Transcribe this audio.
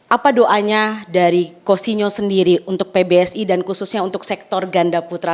apa doanya dari costinyo sendiri untuk pbsi dan khususnya untuk sektor ganda putra